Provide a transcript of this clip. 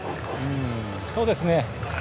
そうですね。